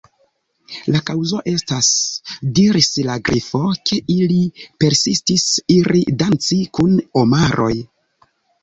"La kaŭzo estas," diris la Grifo, "ke ili persistis iri danci kun omaroj »